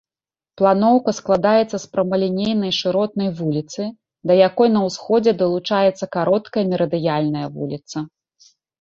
Планоўка складаецца з прамалінейнай шыротнай вуліцы, да якой на ўсходзе далучаецца кароткая мерыдыянальная вуліца.